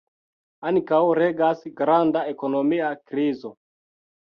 Ankaŭ regas granda ekonomia krizo.